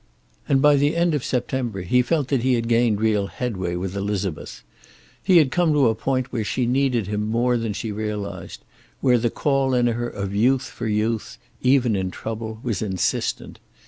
And by the end of September he felt that he had gained real headway with Elizabeth. He had come to a point where she needed him more than she realized, where the call in her of youth for youth, even in trouble, was insistent.